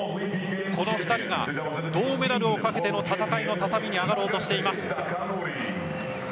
この２人が銅メダルをかけての戦いへの畳に上がろうとしています。